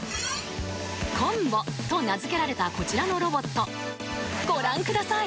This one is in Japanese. Ｃｏｍｂｏと名付けられたこちらのロボットご覧ください！